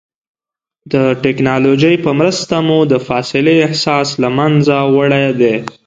د ټکنالوجۍ په مرسته مو د فاصلې احساس له منځه وړی دی.